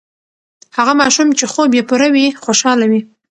هغه ماشوم چې خوب یې پوره وي، خوشاله وي.